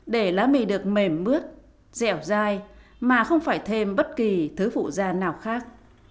để lá mì được mềm mướt dẻo dai mà không phải thêm bất kỳ thứ phụ da nào khác